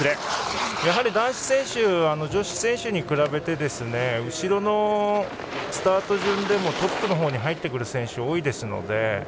男子選手は女子選手に比べて後ろのスタート順でもトップのほうに入ってくる選手が多いですので。